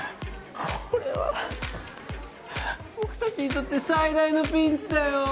これは僕たちにとって最大のピンチだよ！